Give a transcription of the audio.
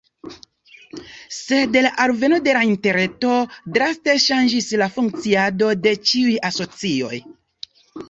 Sed la alveno de interreto draste ŝanĝis la funkciadon de ĉiuj asocioj.